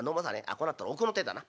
こうなったら奥の手だな。